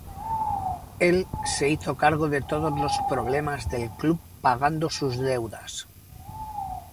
Él se hizo cargo de todos los problemas del club pagando sus deudas.